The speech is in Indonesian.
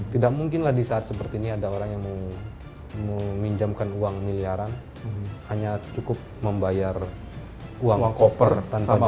tidak mungkin lah di saat seperti ini ada orang yang meminjamkan uang miliaran hanya cukup membayar uang koper tanpa jaminan